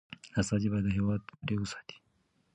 استازي باید د هیواد ګټي وساتي.